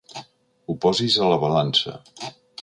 Ho posis a la balança.